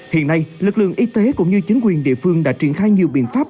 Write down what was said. hiện nay lực lượng y tế cũng như chính quyền địa phương đã triển khai nhiều biện pháp